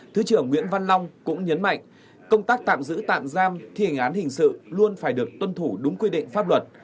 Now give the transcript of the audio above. thứ trưởng nguyễn văn long cũng nhấn mạnh công tác tạm giữ tạm giam thi hành án hình sự luôn phải được tuân thủ đúng quy định pháp luật